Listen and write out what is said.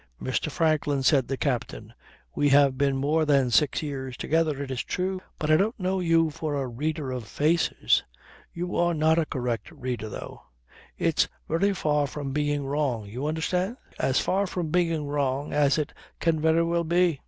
"Mr. Franklin," said the captain, "we have been more than six years together, it is true, but I didn't know you for a reader of faces. You are not a correct reader though. It's very far from being wrong. You understand? As far from being wrong as it can very well be.